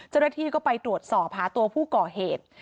เจ้าหน้าที่ก็ไปตรวจสอบหาตัวผู้ก่อเหตุ